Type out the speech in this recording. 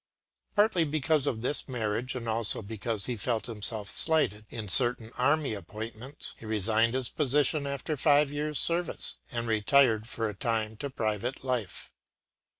” Partly because of this marriage, and also because he felt himself slighted in certain army appointments, he resigned his commissim after five years’ service, and retired for a time to private life.